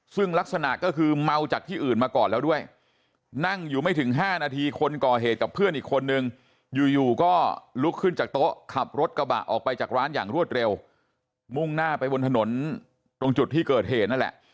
ซึ่งลักษณะก็คือเมาจากที่อื่นมาก่อนแล้วด้วยนั่งอยู่ไม่ถึง๕นาทีคนก่อเหตุกับเพื่อนอีกคนนึงอยู่อยู่ก็ลุกขึ้นจากโต๊ะขับรถกระบะออกไปจากร้านอย่างรวดเร็วมุ่งหน้าไปบนถนนตรงจุดที่เกิดเหตุนั่นแหละ